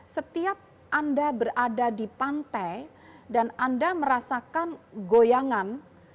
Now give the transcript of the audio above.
setiap anda berada di pantai dan anda merasakan goyangan